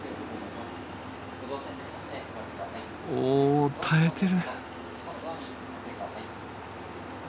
おお耐えてる。